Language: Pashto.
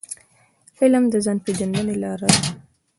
علم د ځان پېژندني لار ده.